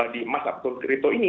di emas ataupun kripto ini